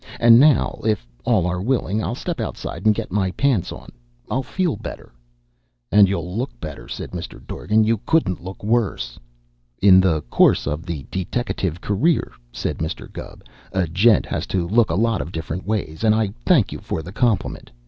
And now, if all are willing, I'll step outside and get my pants on. I'll feel better." "And you'll look better," said Mr. Dorgan. "You couldn't look worse." "In the course of the deteckative career," said Mr. Gubb, "a gent has to look a lot of different ways, and I thank you for the compliment.